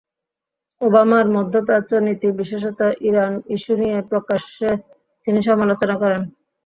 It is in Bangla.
ওবামার মধ্যপ্রাচ্য নীতি বিশেষত ইরান ইস্যু নিয়ে প্রকাশ্যে তিনি সমালোচনা করেন।